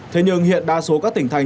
thế nhưng hiện đa số các tỉnh thành